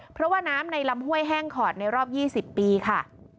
เพราะว่าน้ำในลำห้วยแห้งขอดในรอบ๒๐ปีค่ะ